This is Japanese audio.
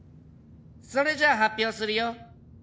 それじゃあ発表するよ。